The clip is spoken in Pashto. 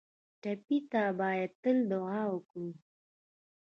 ټپي ته باید تل دعا وکړو